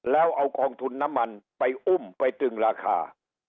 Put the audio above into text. แล้วเอากองทุนน้ำมันไปอุ้มไปตึงราคา